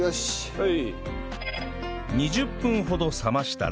はい。